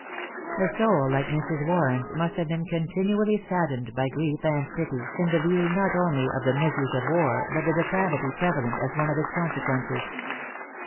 A soul like Mrs. Warren's must have been continually saddened by grief and pity, in the view not only of the miseries of war, but the depravity prevalent as one of its consequences.